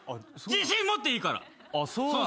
自信持っていいよ。